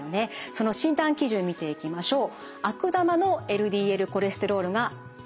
その診断基準見ていきましょう。